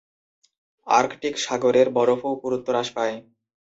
Arctic সাগরের বরফও পুরুত্ব হ্রাস পায়।